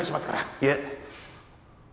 いえ。